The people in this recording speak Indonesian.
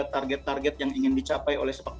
target target yang ingin dicapai oleh sepak